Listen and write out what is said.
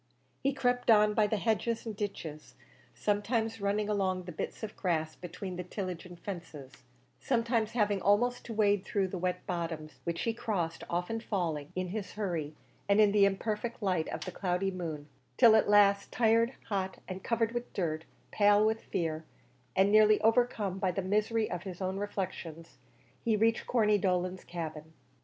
He crept on by the hedges and ditches, sometimes running along the bits of grass between the tillage and fences sometimes having almost to wade through the wet bottoms which he crossed, often falling, in his hurry and in the imperfect light of the cloudy moon, till at last, tired, hot, and covered with dirt, pale with fear, and nearly overcome by the misery of his own reflections, he reached Corney Dolan's cabin.